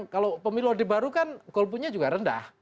kalau pemilu orde baru kan golputnya juga rendah